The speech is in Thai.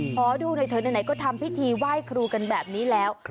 เพราะดูในเธอในไหนก็ทำพิธีไหว้ครูกันแบบนี้แล้ว